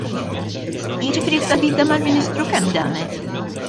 Jiġifieri t-taħdita mal-Ministru kemm damet?